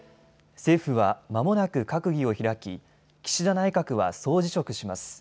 政府はまもなく閣議を開き岸田内閣は総辞職します。